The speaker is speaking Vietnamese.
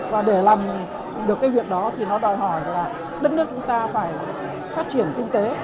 và để làm được cái việc đó thì nó đòi hỏi là đất nước chúng ta phải phát triển kinh tế